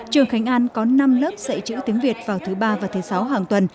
trường khánh an có năm lớp dạy chữ tiếng việt vào thứ ba và thứ sáu hàng tuần